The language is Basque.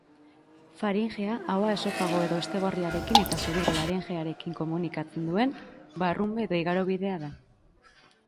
Faringea ahoa esofago edo hestegorriarekin eta sudurra laringearekin komunikatzen duen barrunbe edo igarobidea da.